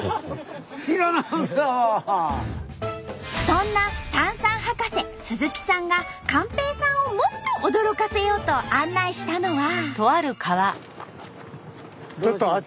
そんな炭酸博士鈴木さんが寛平さんをもっと驚かせようと案内したのは。